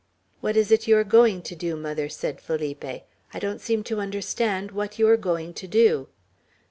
"What is it you are going to do, mother?" said Felipe. "I don't seem to understand what you are going to do."